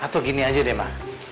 atau gini aja deh ma